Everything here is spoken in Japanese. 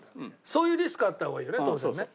そういうリスクはあった方がいいよね当然ね。